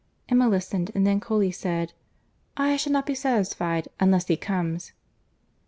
Emma listened, and then coolly said, "I shall not be satisfied, unless he comes."